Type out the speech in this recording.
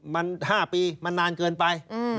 มัน๕ปีมันนานเกินไป